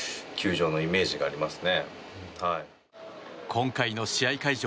今回の試合会場